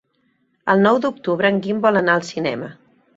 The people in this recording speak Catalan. El nou d'octubre en Guim vol anar al cinema.